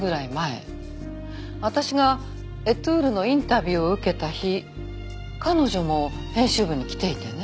私が『エトゥール』のインタビューを受けた日彼女も編集部に来ていてね。